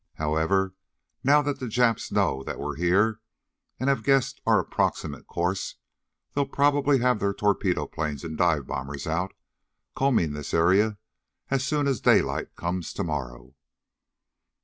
However, now that the Japs know that we're here, and have guessed our approximate course, they'll probably have their torpedo planes and dive bombers out combing this area as soon as daylight comes tomorrow."